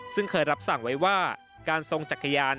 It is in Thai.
ซึ่งเคยรับสั่งไว้ว่าการทรงจักรยาน